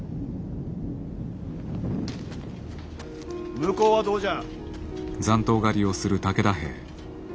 向こうはどうじゃ。